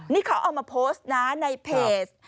นี่เขาเอามาโพสต์นะในเพจ